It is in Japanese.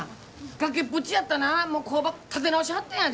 崖っぷちやったな工場立て直しはったんやで！